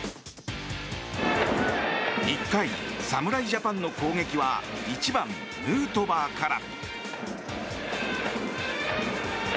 １回、侍ジャパンの攻撃は１番、ヌートバーから。